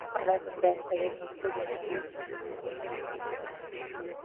আমরা এখন ব্যাঙটাকে খুঁজতে বের হবো!